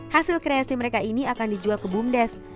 hasil kreasi mereka ini akan dijual ke bumdes